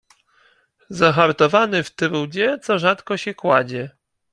Zahartowany w trudzie, co rzadko się kładzie